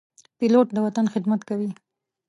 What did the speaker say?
پیلوټ د وطن خدمت کوي.